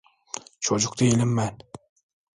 Çocuk değilim ben.